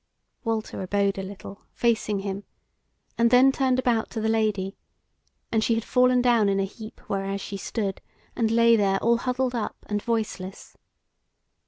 Walter abode a little, facing him, and then turned about to the Lady, and she had fallen down in a heap whereas she stood, and lay there all huddled up and voiceless.